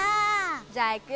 じゃあいくよ。